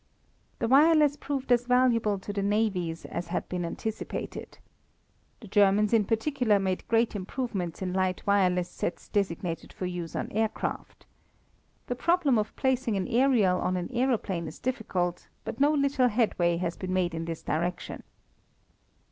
The wireless proved as valuable to the navies as had been anticipated. The Germans in particular made great improvements in light wireless sets designed for use on aircraft. The problem of placing an aerial on an aeroplane is difficult, but no little headway has been made in this direction.